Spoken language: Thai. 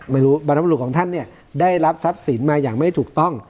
บรรพบรุษของท่านเนี่ยได้รับทรัพย์สินมาอย่างไม่ถูกต้อง